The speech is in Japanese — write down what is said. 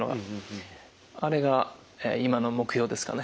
あれが今の目標ですかね。